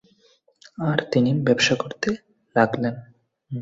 আর তিনি ব্যবসা করতে লাগলেন।